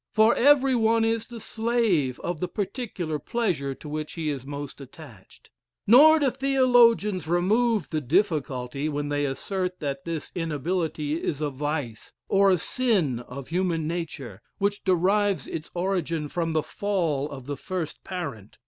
For every one is the slave of the particular pleasure to which he is most attached. Nor do theologians remove the difficulty when they assert that this inability is a vice, or a sin of human nature, which derives its origin from the fall of the first parent.